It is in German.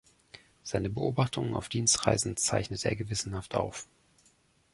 Seine Beobachtungen auf Dienstreisen zeichnete er gewissenhaft auf.